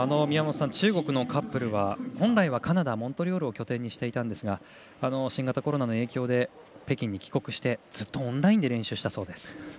宮本さん、中国のカップルは本来はカナダ・モントリオールを拠点にしていたんですが新型コロナの影響で北京に帰国しずっとオンラインで練習したそうです。